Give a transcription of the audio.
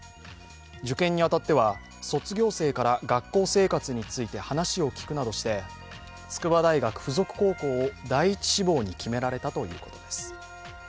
受験に当たっては卒業生から学校生活に当たって話を聞くなどして筑波大学附属高校を第１志望に決められたということです。